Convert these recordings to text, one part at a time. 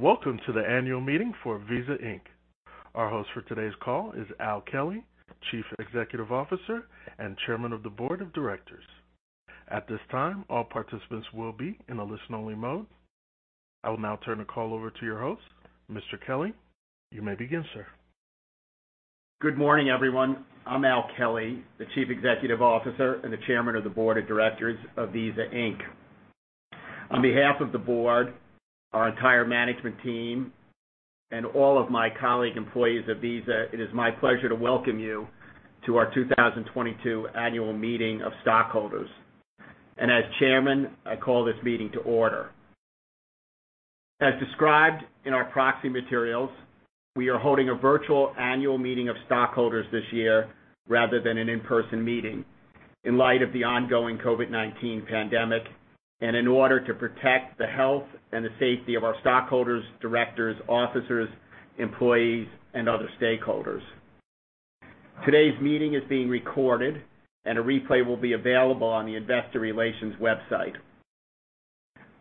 Welcome to the annual meeting for Visa Inc. Our host for today's call is Al Kelly, Chief Executive Officer and Chairman of the Board of Directors. At this time, all participants will be in a listen-only mode. I will now turn the call over to your host. Mr. Kelly, you may begin, Sir. Good morning, everyone. I'm Al Kelly, the Chief Executive Officer and the Chairman of the Board of Directors of Visa Inc. On behalf of the board, our entire management team, and all of my colleagues and employees of Visa, it is my pleasure to welcome you to our 2022 annual meeting of stockholders. As Chairman, I call this meeting to order. As described in our proxy materials, we are holding a virtual annual meeting of stockholders this year rather than an in-person meeting in light of the ongoing COVID-19 pandemic and in order to protect the health and the safety of our stockholders, Directors, officers, employees, and other stakeholders. Today's meeting is being recorded, and a replay will be available on the Investor Relations website.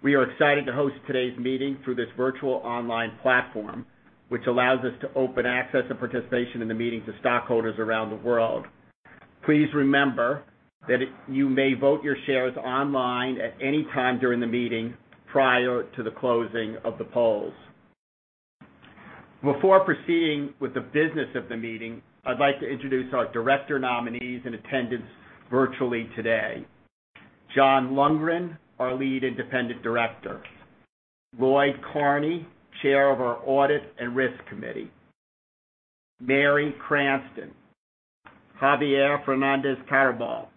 We are excited to host today's meeting through this virtual online platform, which allows us to open access and participation in the meeting to stockholders around the world. Please remember that you may vote your shares online at any time during the meeting prior to the closing of the polls. Before proceeding with the business of the meeting, I'd like to introduce our director nominees in attendance virtually today. John Lundgren, our Lead Independent Director. Lloyd Carney, Chair of our Audit and Risk Committee. Mary Cranston, Javier Fernández-Carbajal,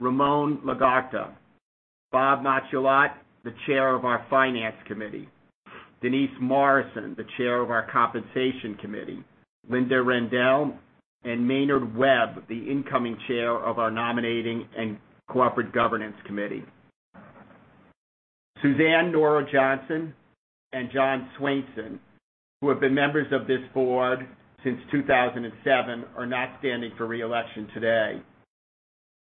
Ramon Laguarta, Bob Matschullat, the Chair of our Finance Committee. Denise Morrison, the Chair of our Compensation Committee. Linda Rendle, and Maynard Webb, the incoming Chair of our Nominating and Corporate Governance Committee. Suzanne Nora Johnson and John Swainson, who have been members of this board since 2007, are not standing for re-election today.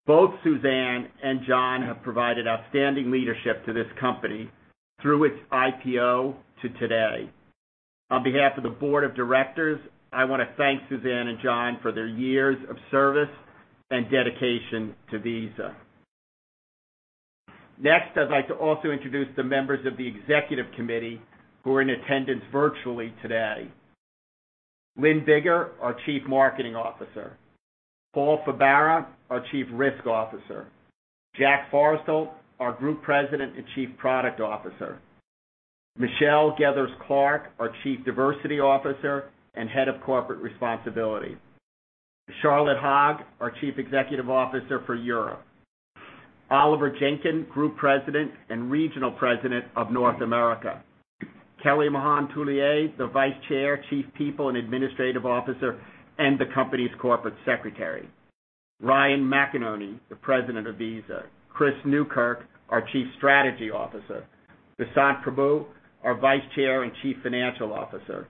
Both Suzanne and John have provided outstanding leadership to this company through its IPO to today. On behalf of the board of Directors, I wanna thank Suzanne and John for their years of service and dedication to Visa. Next, I'd like to also introduce the members of the executive committee who are in attendance virtually today. Lynne Biggar, our Chief Marketing Officer. Paul Fabara, our Chief Risk Officer. Jack Forestell, our Group President and Chief Product Officer. Michelle Gethers-Clark, our Chief Diversity Officer and Head of Corporate Responsibility. Charlotte Hogg, our Chief Executive Officer for Europe. Oliver Jenkyn, Group President and Regional President of North America. Kelly Mahon Tullier, the Vice Chair, Chief People and Administrative Officer, and the company's corporate secretary. Ryan McInerney, the President of Visa. Chris Newkirk, our Chief Strategy Officer. Vasant Prabhu, our Vice Chair and Chief Financial Officer.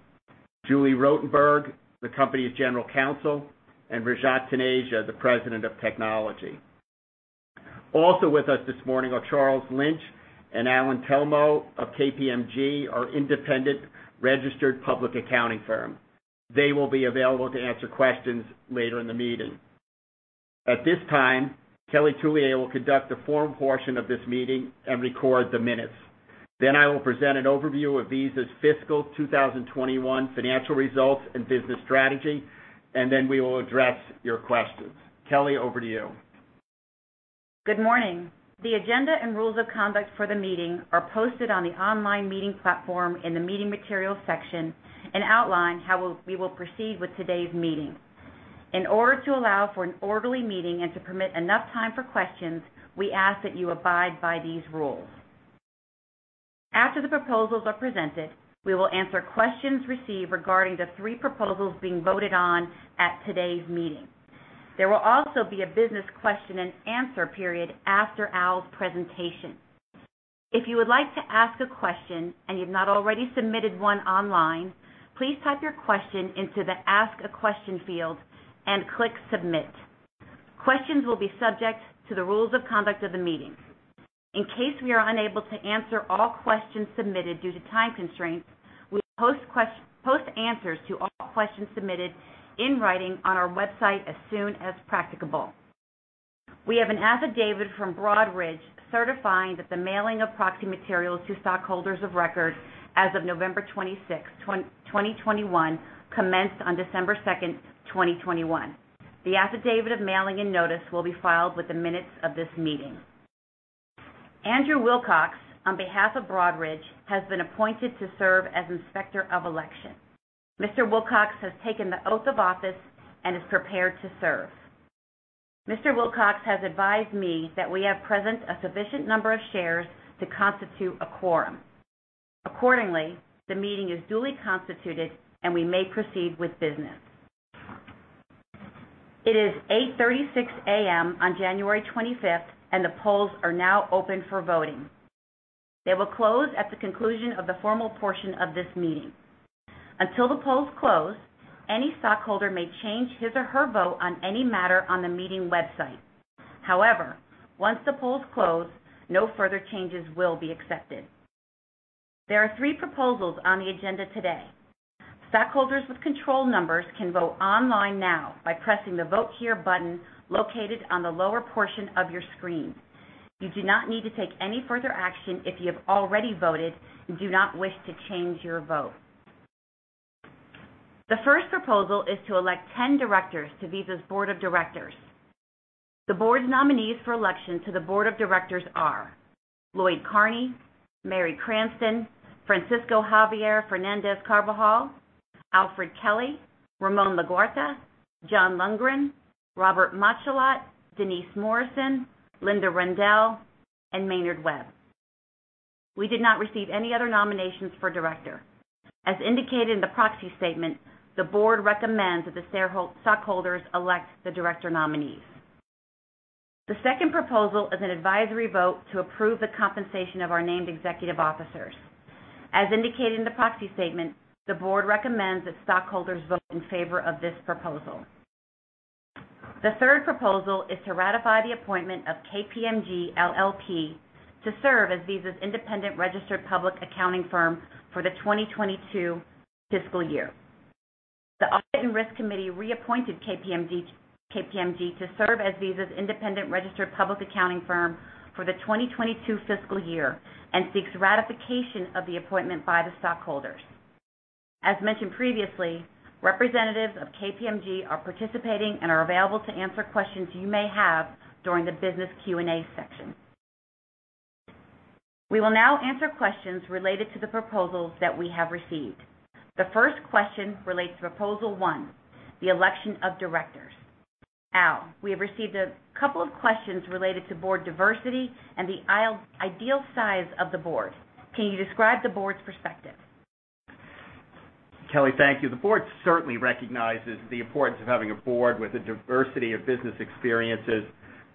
Julie Rottenberg, the company's General Counsel, and Rajat Taneja, the President of Technology. Also with us this morning are Charles Lynch and Allan Telmo of KPMG, our independent registered public accounting firm. They will be available to answer questions later in the meeting. At this time, Kelly Toulet will conduct a forum portion of this meeting and record the minutes. Then I will present an overview of Visa's fiscal 2021 financial results and business strategy, and then we will address your questions. Kelly, over to you. Good morning. The agenda and rules of conduct for the meeting are posted on the online meeting platform in the Meeting Materials section and outline how we will proceed with today's meeting. In order to allow for an orderly meeting and to permit enough time for questions, we ask that you abide by these rules. After the proposals are presented, we will answer questions received regarding the three proposals being voted on at today's meeting. There will also be a business question and answer period after Al's presentation. If you would like to ask a question and you've not already submitted one online, please type your question into the Ask a Question field and click Submit. Questions will be subject to the rules of conduct of the meeting. In case we are unable to answer all questions submitted due to time constraints, we'll post answers to all questions submitted in writing on our website as soon as practicable. We have an affidavit from Broadridge certifying that the mailing of proxy materials to stockholders of record as of November 26, 2021, commenced on December 2, 2021. The affidavit of mailing and notice will be filed with the minutes of this meeting. Andrew Wilcox, on behalf of Broadridge, has been appointed to serve as Inspector of Election. Mr. Wilcox has taken the oath of office and is prepared to serve. Mr. Wilcox has advised me that we have present a sufficient number of shares to constitute a quorum. Accordingly, the meeting is duly constituted, and we may proceed with business. It is 8:36 AM on January 25, and the polls are now open for voting. They will close at the conclusion of the formal portion of this meeting. Until the polls close, any stockholder may change his or her vote on any matter on the meeting website. However, once the polls close, no further changes will be accepted. There are three proposals on the agenda today. Stockholders with control numbers can vote online now by pressing the Vote Here button located on the lower portion of your screen. You do not need to take any further action if you have already voted and do not wish to change your vote. The first proposal is to elect 10 Directors to Visa's board of Directors. The board's nominees for election to the board of Directors are Lloyd Carney, Mary Cranston, Francisco Javier Fernández-Carbajal, Alfred Kelly, Ramon Laguarta, John Lundgren, Robert Matschullat, Denise Morrison, Linda Rendle, and Maynard Webb. We did not receive any other nominations for director. As indicated in the proxy statement, the board recommends that the stockholders elect the director nominees. The second proposal is an advisory vote to approve the compensation of our named executive officers. As indicated in the proxy statement, the board recommends that stockholders vote in favor of this proposal. The third proposal is to ratify the appointment of KPMG LLP to serve as Visa's independent registered public accounting firm for the 2022 fiscal year. The Audit and Risk Committee reappointed KPMG to serve as Visa's independent registered public accounting firm for the 2022 fiscal year and seeks ratification of the appointment by the stockholders. As mentioned previously, representatives of KPMG are participating and are available to answer questions you may have during the business Q&A section. We will now answer questions related to the proposals that we have received. The first question relates to proposal one, the election of Directors. Al, we have received a couple of questions related to board diversity and the ideal size of the board. Can you describe the board's perspective? Kelly, thank you. The board certainly recognizes the importance of having a board with a diversity of business experiences,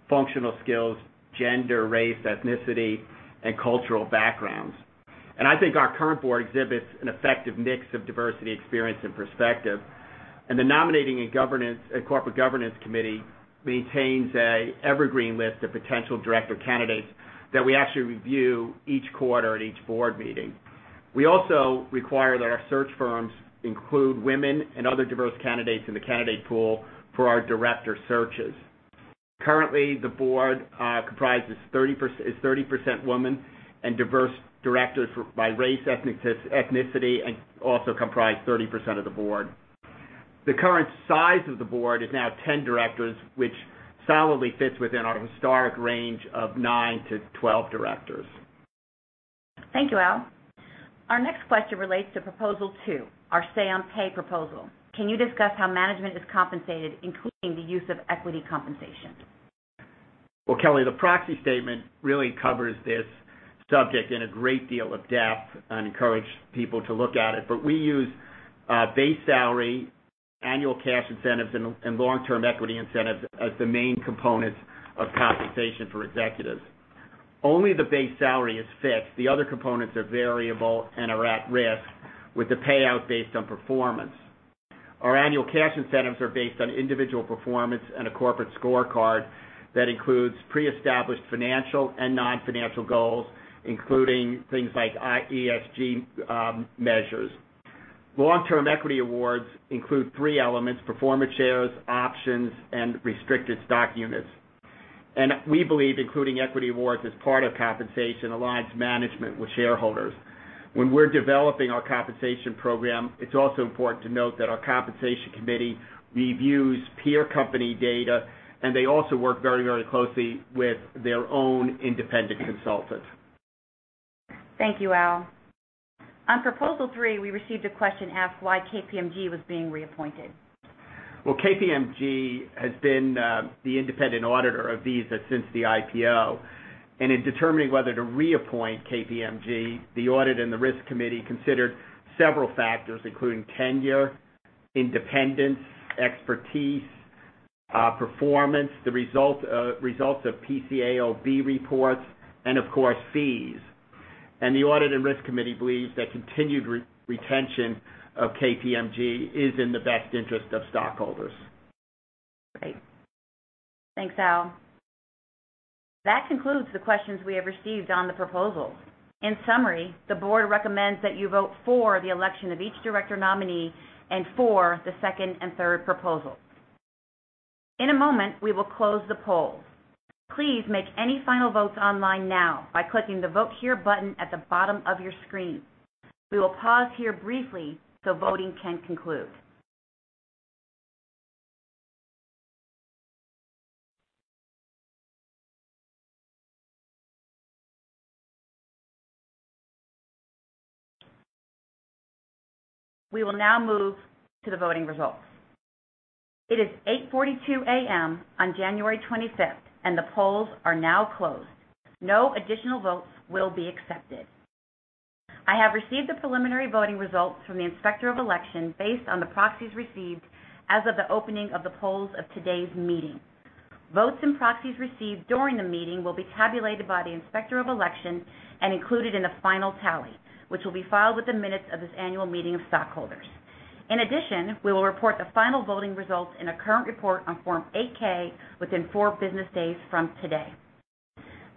functional skills, gender, race, ethnicity, and cultural backgrounds. I think our current board exhibits an effective mix of diversity, experience, and perspective. The Nominating and Corporate Governance Committee maintains an evergreen list of potential director candidates that we actually review each quarter at each board meeting. We also require that our search firms include women and other diverse candidates in the candidate pool for our director searches. Currently, the board comprises 30% women and diverse Directors by race, ethnicity, and also comprise 30% of the board. The current size of the board is now 10 Directors, which solidly fits within our historic range of 9-12 Directors. Thank you, Al. Our next question relates to proposal 2, our say on pay proposal. Can you discuss how management is compensated, including the use of equity compensation? Well, Kelly, the proxy statement really covers this subject in a great deal of depth, and I encourage people to look at it. But we use base salary, annual cash incentives, and long-term equity incentives as the main components of compensation for executives. Only the base salary is fixed. The other components are variable and are at risk with the payout based on performance. Our annual cash incentives are based on individual performance and a corporate scorecard that includes pre-established financial and non-financial goals, including things like ESG measures. Long-term equity awards include three elements, performance shares, options, and restricted stock units. We believe including equity awards as part of compensation aligns management with shareholders. When we're developing our compensation program, it's also important to note that our Compensation Committee reviews peer company data, and they also work very, very closely with their own independent consultant. Thank you, Al. On proposal three, we received a question asking why KPMG was being reappointed. Well, KPMG has been the independent auditor of Visa since the IPO. In determining whether to reappoint KPMG, the Audit and Risk Committee considered several factors, including tenure, independence, expertise, performance, the results of PCAOB reports, and of course, fees. The Audit and Risk Committee believes that continued retention of KPMG is in the best interest of stockholders. Great. Thanks, Al. That concludes the questions we have received on the proposals. In summary, the board recommends that you vote for the election of each director nominee and for the second and third proposals. In a moment, we will close the polls. Please make any final votes online now by clicking the Vote Here button at the bottom of your screen. We will pause here briefly so voting can conclude. We will now move to the voting results. It is 8:42 AM on January twenty-fifth, and the polls are now closed. No additional votes will be accepted. I have received the preliminary voting results from the Inspector of Election based on the proxies received as of the opening of the polls of today's meeting. Votes and proxies received during the meeting will be tabulated by the Inspector of Election and included in the final tally, which will be filed with the minutes of this annual meeting of stockholders. In addition, we will report the final voting results in a current report on Form 8-K within four business days from today.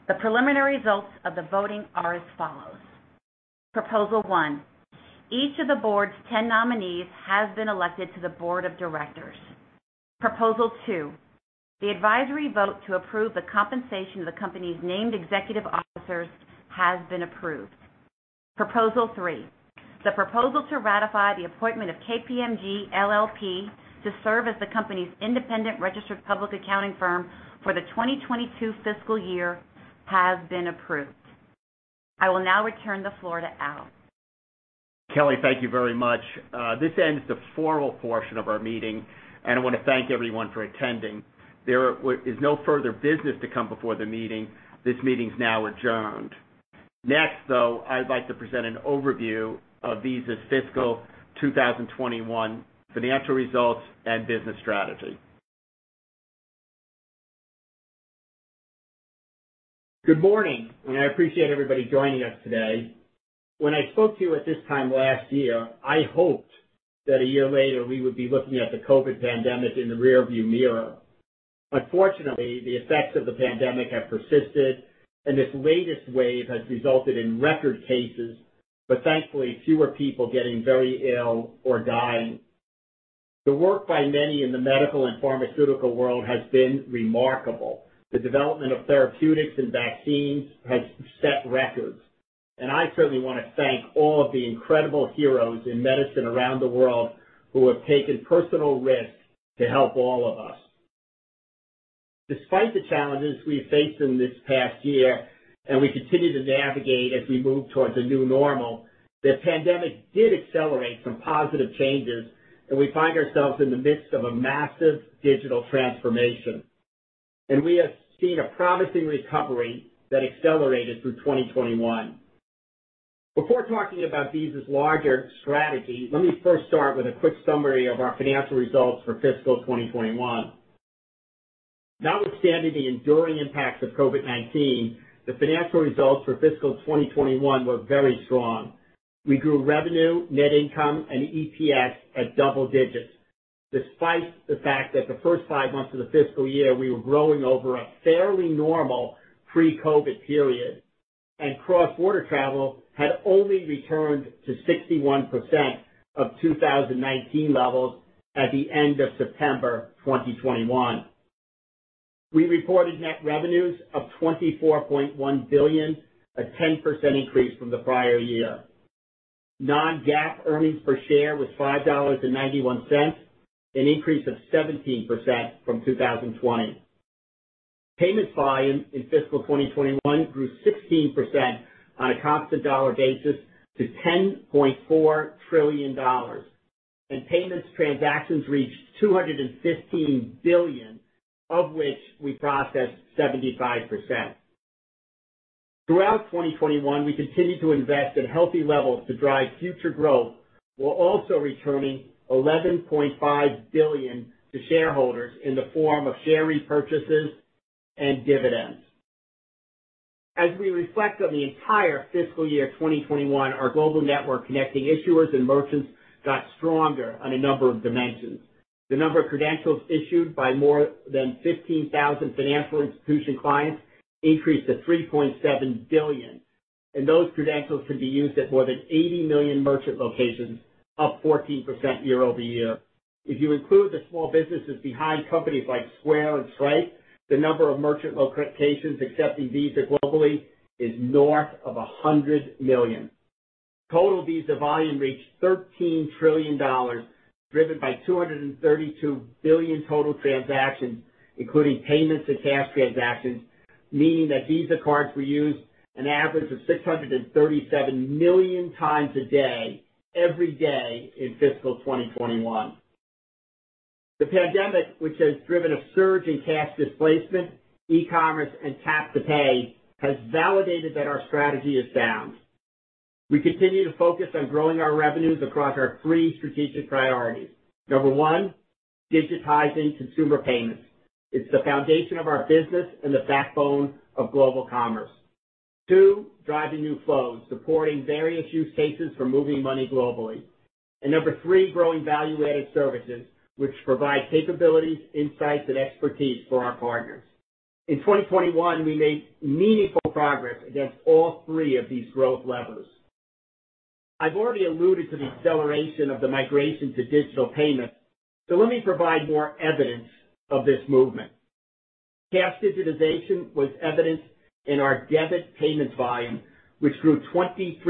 The preliminary results of the voting are as follows. Proposal 1, each of the board's 10 nominees has been elected to the board of Directors. Proposal 2, the advisory vote to approve the compensation of the company's named executive officers has been approved. Proposal 3, the proposal to ratify the appointment of KPMG LLP to serve as the company's independent registered public accounting firm for the 2022 fiscal year has been approved. I will now return the floor to Al. Kelly, thank you very much. This ends the formal portion of our meeting, and I want to thank everyone for attending. There is no further business to come before the meeting. This meeting is now adjourned. Next, though, I'd like to present an overview of Visa's fiscal 2021 financial results and business strategy. Good morning, and I appreciate everybody joining us today. When I spoke to you at this time last year, I hoped that a year later we would be looking at the COVID pandemic in the rearview mirror. Unfortunately, the effects of the pandemic have persisted, and this latest wave has resulted in record cases, but thankfully, fewer people getting very ill or dying. The work by many in the medical and pharmaceutical world has been remarkable. The development of therapeutics and vaccines has set records, and I certainly want to thank all of the incredible heroes in medicine around the world who have taken personal risks to help all of us. Despite the challenges we have faced in this past year, and we continue to navigate as we move towards a new normal, the pandemic did accelerate some positive changes, and we find ourselves in the midst of a massive digital transformation. We have seen a promising recovery that accelerated through 2021. Before talking about Visa's larger strategy, let me first start with a quick summary of our financial results for fiscal 2021. Notwithstanding the enduring impacts of COVID-19, the financial results for fiscal 2021 were very strong. We grew revenue, net income and EPS at double digits, despite the fact that the first 5 months of the fiscal year we were growing over a fairly normal pre-COVID period, and cross-border travel had only returned to 61% of 2019 levels at the end of September 2021. We reported net revenues of $24.1 billion, a 10% increase from the prior year. Non-GAAP earnings per share was $5.91, an increase of 17% from 2020. Payments volume in fiscal 2021 grew 16% on a constant dollar basis to $10.4 trillion. Payments transactions reached 215 billion, of which we processed 75%. Throughout 2021, we continued to invest at healthy levels to drive future growth, while also returning $11.5 billion to shareholders in the form of share repurchases and dividends. As we reflect on the entire fiscal year 2021, our global network connecting issuers and merchants got stronger on a number of dimensions. The number of credentials issued by more than 15,000 financial institution clients increased to 3.7 billion, and those credentials could be used at more than 80 million merchant locations, up 14% year-over-year. If you include the small businesses behind companies like Square and Stripe, the number of merchant locations accepting Visa globally is north of 100 million. Total Visa volume reached $13 trillion, driven by 232 billion total transactions, including payments and cash transactions, meaning that Visa cards were used an average of 637 million times a day, every day in fiscal 2021. The pandemic, which has driven a surge in cash displacement, e-commerce and tap-to-pay, has validated that our strategy is sound. We continue to focus on growing our revenues across our three strategic priorities. Number one, digitizing consumer payments. It's the foundation of our business and the backbone of global commerce. Two, driving New Flows, supporting various use cases for moving money globally. Number three, growing value-added services, which provide capabilities, insights, and expertise for our partners. In 2021, we made meaningful progress against all three of these growth levers. I've already alluded to the acceleration of the migration to digital payments, so let me provide more evidence of this movement. Cash digitization was evidenced in our debit payment volume, which grew 23%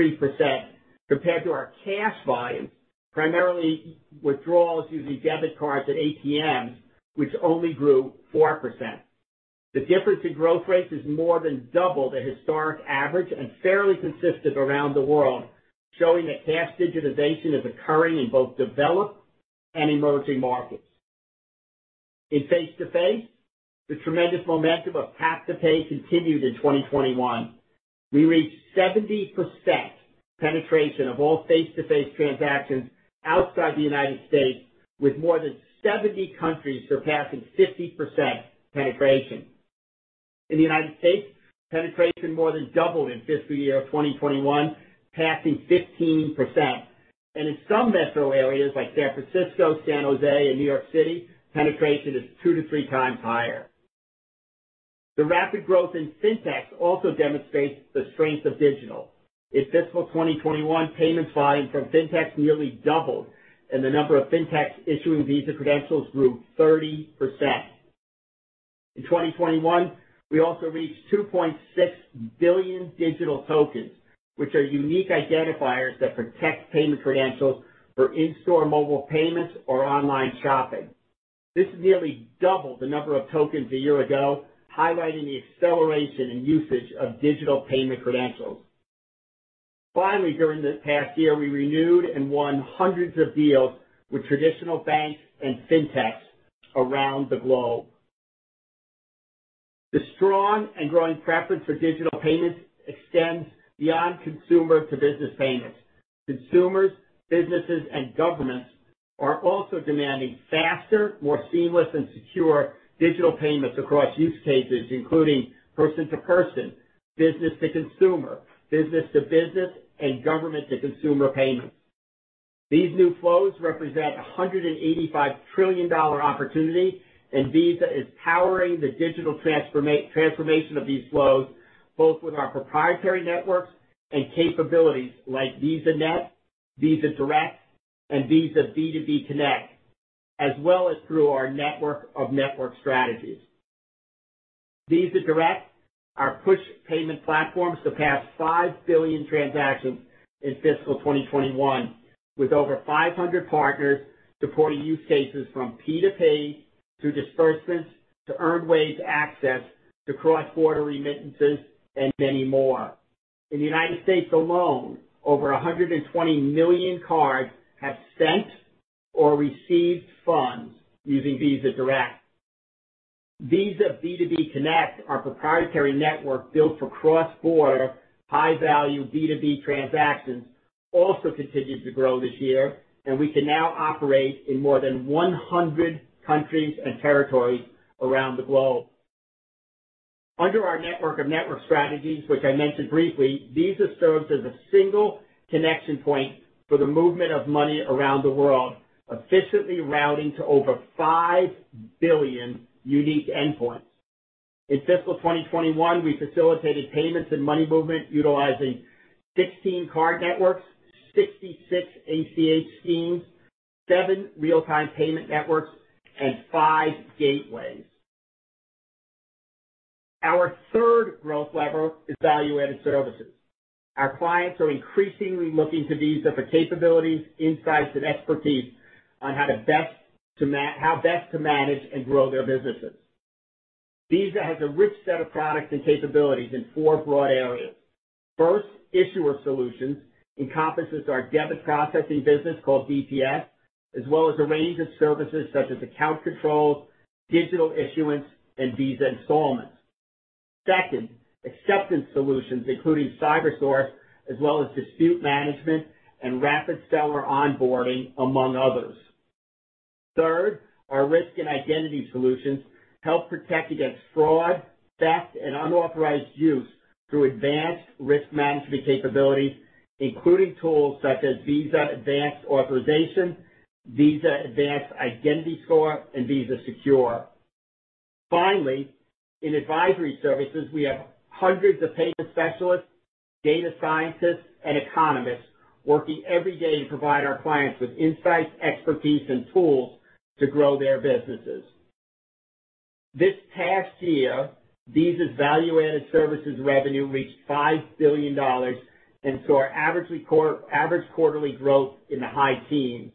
compared to our cash volume, primarily withdrawals using debit cards at ATMs, which only grew 4%. The difference in growth rates is more than double the historic average and fairly consistent around the world, showing that cash digitization is occurring in both developed and emerging markets. In face-to-face, the tremendous momentum of tap-to-pay continued in 2021. We reached 70% penetration of all face-to-face transactions outside the United States, with more than 70 countries surpassing 50% penetration. In the United States, penetration more than doubled in fiscal year 2021, passing 15%. In some metro areas like San Francisco, San Jose, and New York City, penetration is 2-3x higher. The rapid growth in fintechs also demonstrates the strength of digital. In fiscal 2021, payments volume from fintechs nearly doubled, and the number of fintechs issuing Visa credentials grew 30%. In 2021, we also reached 2.6 billion digital tokens, which are unique identifiers that protect payment credentials for in-store mobile payments or online shopping. This nearly doubled the number of tokens a year ago, highlighting the acceleration in usage of digital payment credentials. Finally, during this past year, we renewed and won hundreds of deals with traditional banks and fintechs around the globe. The strong and growing preference for digital payments extends beyond consumer to business payments. Consumers, businesses, and governments are also demanding faster, more seamless, and secure digital payments across use cases, including person-to-person, business-to-consumer, business-to-business, and government-to-consumer payments. These new flows represent a $185 trillion opportunity, and Visa is powering the digital transformation of these flows, both with our proprietary networks and capabilities like VisaNet, Visa Direct, and Visa B2B Connect, as well as through our network of network strategies. Visa Direct, our push payment platform, surpassed 5 billion transactions in fiscal 2021, with over 500 partners supporting use cases from P2P to disbursements to earned wage access to cross-border remittances and many more. In the United States alone, over 120 million cards have sent or received funds using Visa Direct. Visa B2B Connect, our proprietary network built for cross-border high-value B2B transactions, also continued to grow this year, and we can now operate in more than 100 countries and territories around the globe. Under our network of network strategies, which I mentioned briefly, Visa serves as a single connection point for the movement of money around the world, efficiently routing to over 5 billion unique endpoints. In fiscal 2021, we facilitated payments and money movement utilizing 16 card networks, 66 ACH schemes, seven real-time payment networks, and five gateways. Our third growth lever is value-added services. Our clients are increasingly looking to Visa for capabilities, insights, and expertise on how best to manage and grow their businesses. Visa has a rich set of products and capabilities in four broad areas. First, issuer solutions encompasses our debit processing business, called DPS, as well as a range of services such as account controls, digital issuance, and Visa Installments. Second, acceptance solutions, including Cybersource as well as dispute management and rapid seller onboarding, among others. Third, our risk and identity solutions help protect against fraud, theft, and unauthorized use through advanced risk management capabilities, including tools such as Visa Advanced Authorization, Visa Advanced Identity Score, and Visa Secure. Finally, in advisory services, we have hundreds of payment specialists, data scientists, and economists working every day to provide our clients with insights, expertise, and tools to grow their businesses. This past year, Visa's value-added services revenue reached $5 billion and saw record average quarterly growth in the high teens%.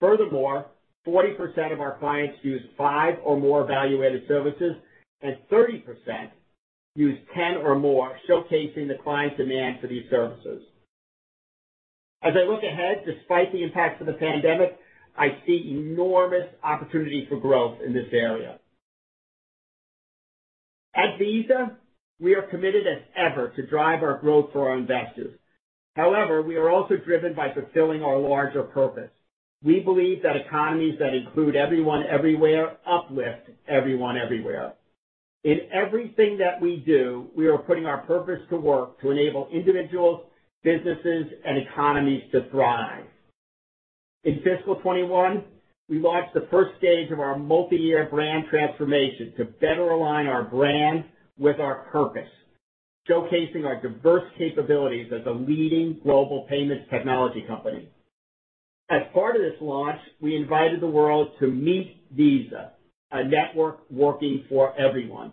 Furthermore, 40% of our clients use five or more value-added services, and 30% use 10 or more, showcasing the client demand for these services. As I look ahead, despite the impacts of the pandemic, I see enormous opportunity for growth in this area. At Visa, we are committed as ever to drive our growth for our investors. However, we are also driven by fulfilling our larger purpose. We believe that economies that include everyone everywhere, uplift everyone everywhere. In everything that we do, we are putting our purpose to work to enable individuals, businesses, and economies to thrive. In fiscal 2021, we launched the first stage of our multi-year brand transformation to better align our brand with our purpose, showcasing our diverse capabilities as a leading global payments technology company. As part of this launch, we invited the world to meet Visa, a network working for everyone.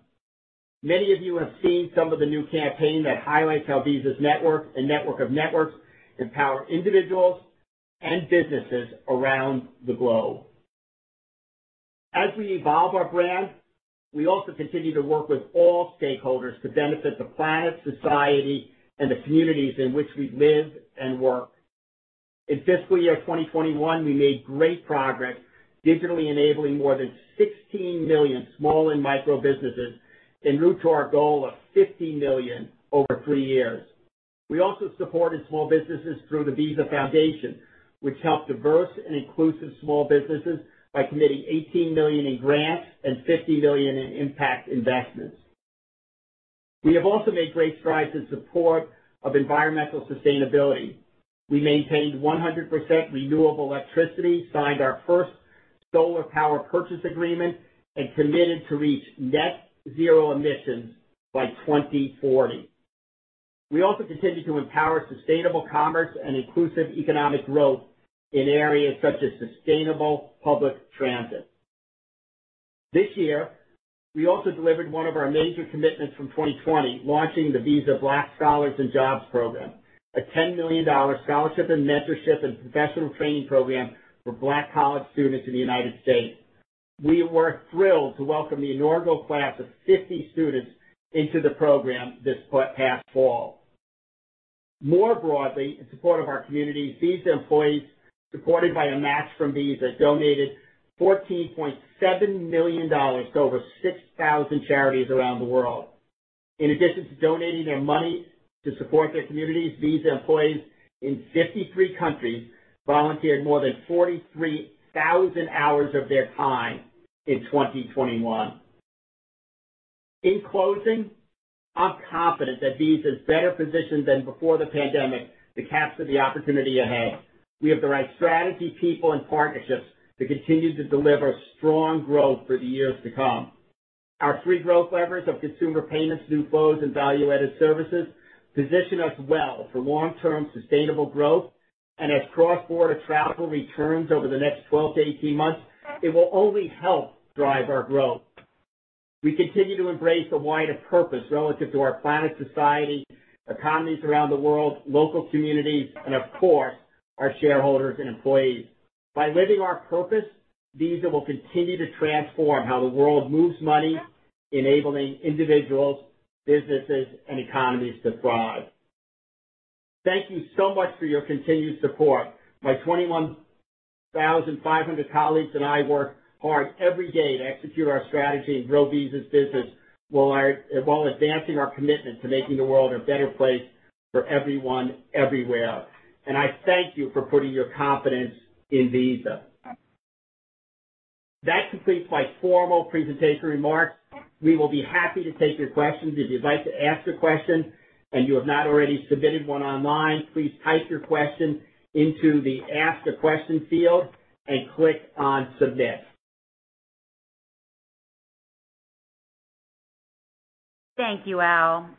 Many of you have seen some of the new campaign that highlights how Visa's network and network of networks empower individuals and businesses around the globe. As we evolve our brand, we also continue to work with all stakeholders to benefit the planet, society, and the communities in which we live and work. In fiscal year 2021, we made great progress digitally enabling more than 16 million small and micro businesses en route to our goal of 50 million over three years. We also supported small businesses through the Visa Foundation, which helped diverse and inclusive small businesses by committing $18 million in grants and $50 million in impact investments. We have also made great strides in support of environmental sustainability. We maintained 100% renewable electricity, signed our first solar power purchase agreement, and committed to reach net zero emissions by 2040. We also continue to empower sustainable commerce and inclusive economic growth in areas such as sustainable public transit. This year, we also delivered one of our major commitments from 2020, launching the Visa Black Scholars and Jobs Program, a $10 million scholarship and mentorship and professional training program for Black college students in the United States. We were thrilled to welcome the inaugural class of 50 students into the program this past fall. More broadly, in support of our communities, Visa employees, supported by a match from Visa, donated $14.7 million to over 6,000 charities around the world. In addition to donating their money to support their communities, Visa employees in 53 countries volunteered more than 43,000 hours of their time in 2021. In closing, I'm confident that Visa is better positioned than before the pandemic to capture the opportunity ahead. We have the right strategy, people, and partnerships to continue to deliver strong growth for the years to come. Our three growth levers of consumer payments, New Flows, and value-added services position us well for long-term sustainable growth. As cross-border travel returns over the next 12-18 months, it will only help drive our growth. We continue to embrace a wider purpose relative to our planet society, economies around the world, local communities, and of course, our shareholders and employees. By living our purpose, Visa will continue to transform how the world moves money, enabling individuals, businesses, and economies to thrive. Thank you so much for your continued support. My 21,500 colleagues and I work hard every day to execute our strategy and grow Visa's business while advancing our commitment to making the world a better place for everyone, everywhere. I thank you for putting your confidence in Visa. That completes my formal presentation remarks. We will be happy to take your questions. If you'd like to ask a question and you have not already submitted one online, please type your question into the Ask a Question field and click on Submit. Thank you, Al.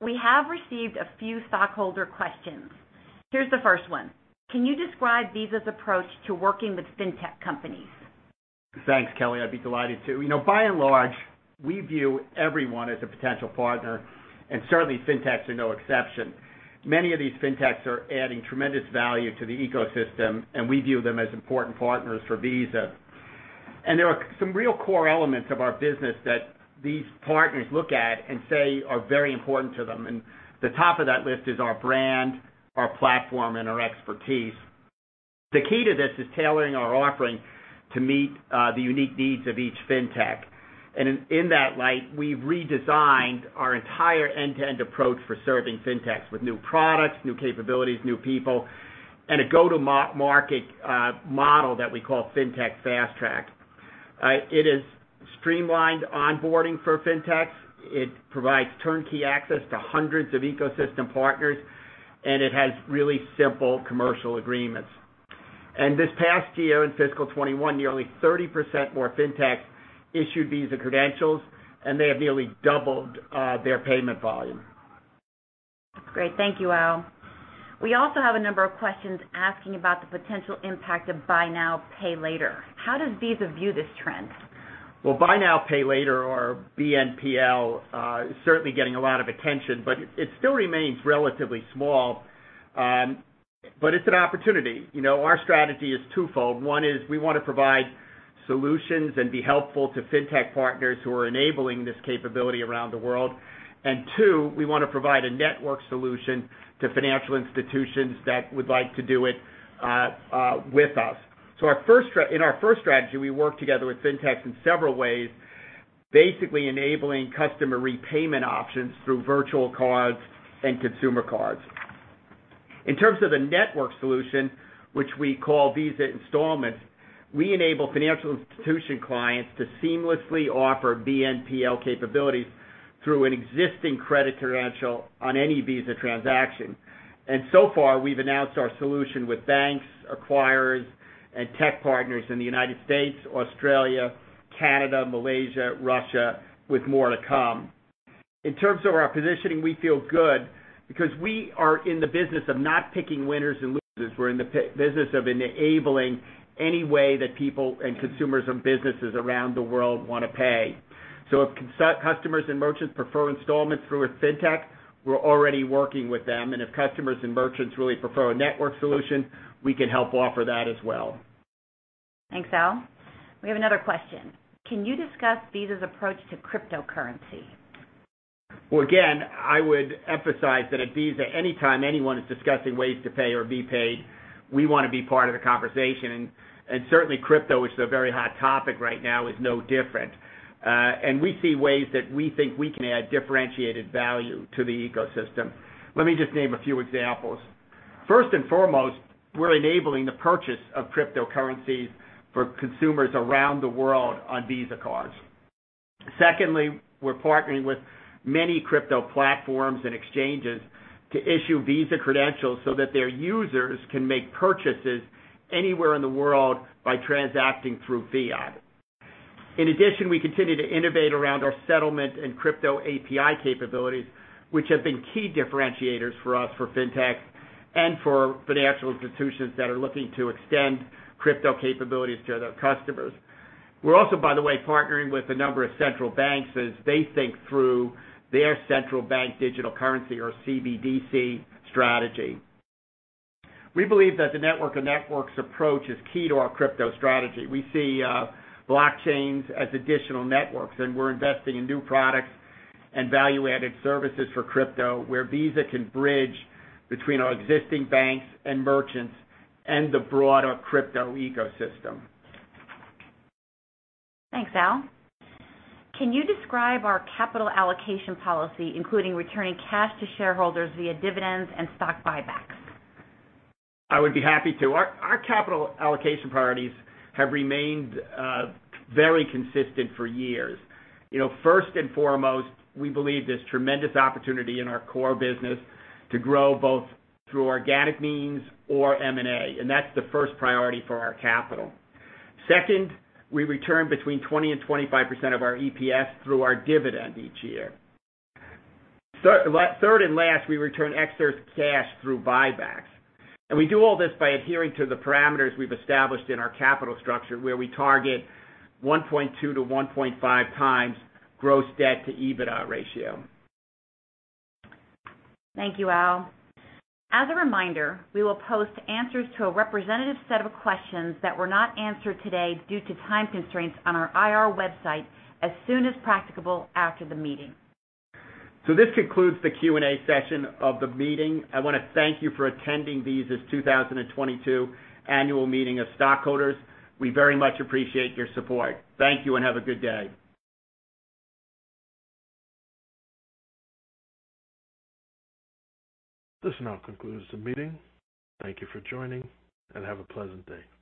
We have received a few stockholder questions. Here's the first one. Can you describe Visa's approach to working with fintech companies? Thanks, Kelly. I'd be delighted to. You know, by and large, we view everyone as a potential partner, and certainly fintechs are no exception. Many of these fintechs are adding tremendous value to the ecosystem, and we view them as important partners for Visa. There are some real core elements of our business that these partners look at and say are very important to them. The top of that list is our brand, our platform, and our expertise. The key to this is tailoring our offering to meet the unique needs of each fintech. In that light, we've redesigned our entire end-to-end approach for serving fintechs with new products, new capabilities, new people, and a go-to-market model that we call Fintech Fast Track. It is streamlined onboarding for fintechs. It provides turnkey access to hundreds of ecosystem partners, and it has really simple commercial agreements. This past year, in fiscal 2021, nearly 30% more fintechs issued Visa credentials, and they have nearly doubled their payment volume. Great, thank you, Al. We also have a number of questions asking about the potential impact of buy now, pay later. How does Visa view this trend? Well, buy now, pay later, or BNPL, is certainly getting a lot of attention, but it still remains relatively small. It's an opportunity. You know, our strategy is twofold. One is we wanna provide solutions and be helpful to fintech partners who are enabling this capability around the world. And two, we wanna provide a network solution to financial institutions that would like to do it with us. In our first strategy, we work together with fintech in several ways, basically enabling customer repayment options through virtual cards and consumer cards. In terms of the network solution, which we call Visa Installments, we enable financial institution clients to seamlessly offer BNPL capabilities through an existing credit credential on any Visa transaction. So far, we've announced our solution with banks, acquirers, and tech partners in the United States, Australia, Canada, Malaysia, Russia, with more to come. In terms of our positioning, we feel good because we are in the business of not picking winners and losers. We're in the business of enabling any way that people and consumers and businesses around the world wanna pay. If customers and merchants prefer installments through a fintech, we're already working with them. If customers and merchants really prefer a network solution, we can help offer that as well. Thanks, Al. We have another question. Can you discuss Visa's approach to cryptocurrency? Well, again, I would emphasize that at Visa, anytime anyone is discussing ways to pay or be paid, we wanna be part of the conversation. Certainly crypto, which is a very hot topic right now, is no different. We see ways that we think we can add differentiated value to the ecosystem. Let me just name a few examples. First and foremost, we're enabling the purchase of cryptocurrencies for consumers around the world on Visa cards. Secondly, we're partnering with many crypto platforms and exchanges to issue Visa credentials so that their users can make purchases anywhere in the world by transacting through fiat. In addition, we continue to innovate around our settlement and crypto API capabilities, which have been key differentiators for us for fintech and for financial institutions that are looking to extend crypto capabilities to their customers. We're also, by the way, partnering with a number of central banks as they think through their central bank digital currency or CBDC strategy. We believe that the network of networks approach is key to our crypto strategy. We see blockchains as additional networks, and we're investing in new products and value-added services for crypto, where Visa can bridge between our existing banks and merchants and the broader crypto ecosystem. Thanks, Al. Can you describe our capital allocation policy, including returning cash to shareholders via dividends and stock buybacks? I would be happy to. Our capital allocation priorities have remained very consistent for years. You know, first and foremost, we believe there's tremendous opportunity in our core business to grow, both through organic means or M&A, and that's the first priority for our capital. Second, we return between 20% and 25% of our EPS through our dividend each year. Third and last, we return excess cash through buybacks. We do all this by adhering to the parameters we've established in our capital structure, where we target 1.2-1.5x gross debt to EBITDA ratio. Thank you, Al. As a reminder, we will post answers to a representative set of questions that were not answered today due to time constraints on our IR website as soon as practicable after the meeting. This concludes the Q&A session of the meeting. I wanna thank you for attending Visa's 2022 annual meeting of stockholders. We very much appreciate your support. Thank you, and have a good day. This now concludes the meeting. Thank you for joining, and have a pleasant day.